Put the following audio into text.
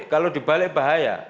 kalau dibalik bahaya